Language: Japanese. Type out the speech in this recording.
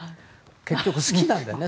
結局、好きなんですね。